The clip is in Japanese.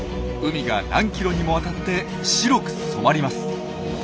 海が何キロにもわたって白く染まります。